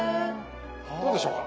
どうでしょうか？